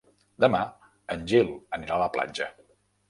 Demà en Gil anirà a la platja.